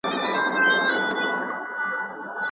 د هېواد بهرنیو تګلاره د سولي خبرو ته کافي ملاتړ نه کوي.